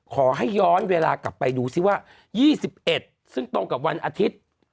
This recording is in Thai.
ขอให้ย้อนเวลากลับไปดูซิว่า๒๑ซึ่งตรงกับวันอาทิตย์